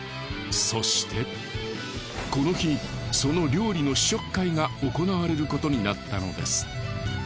そしてこの日その料理の試食会が行われることになったのです。